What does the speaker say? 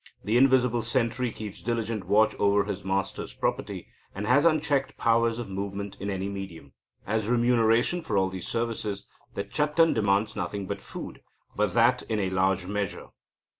The invisible sentry keeps diligent watch over his master's property, and has unchecked powers of movement in any medium. As remuneration for all these services, the Chattan demands nothing but food, but that in a large measure.